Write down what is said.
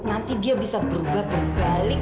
nanti dia bisa berubah berbalik